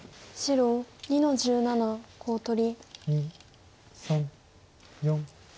黒３の十七コウ取り。